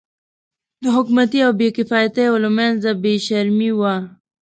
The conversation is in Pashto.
د حکومتي او بې کفایتو له منځه بې شرمي وه.